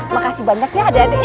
makasih banyak ya adek adek ya